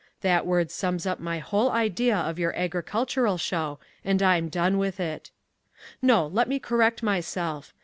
That word sums up my whole idea of your agricultural show and I'm done with it. No, let me correct myself.